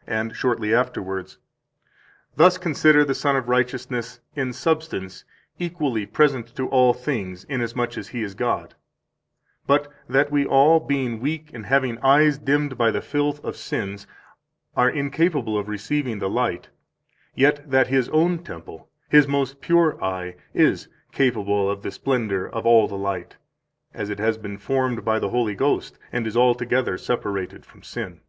167 And shortly afterwards: "Thus consider the Sun of Righteousness in substance equally present to all things, inasmuch as He is God; but that we all, being weak and having eyes dimmed by the filth of sins, are incapable of receiving the light, yet that His own temple, His most pure eye, is capable of the splendor of all the light, as it has been formed by the Holy Ghost and is altogether separated from sin."